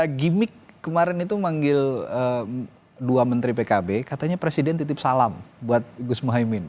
karena gimmick kemarin itu manggil dua menteri pkb katanya presiden titip salam buat gus muhaymin